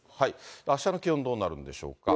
あしたの気温どうなるんでしょうか。